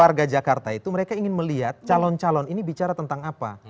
jadi warga jakarta itu mereka ingin melihat calon calon ini bicara tentang apa